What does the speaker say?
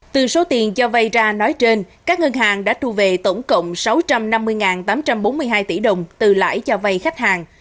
từ số tiền cho vay ra nói trên các ngân hàng đã thu về tổng cộng sáu trăm năm mươi tám trăm bốn mươi hai tỷ đồng từ lãi cho vay khách hàng